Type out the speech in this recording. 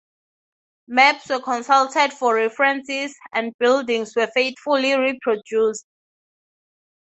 Maps were consulted for references and buildings were faithfully reproduced.